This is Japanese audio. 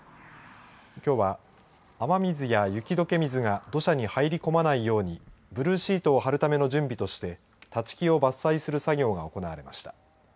きょうは雨水や雪どけ水が土砂に入り込まないようにブルーシートを張るための準備として立ち木を伐採する作業が行われました。